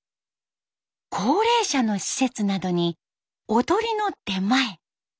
高齢者の施設などに踊りの出前。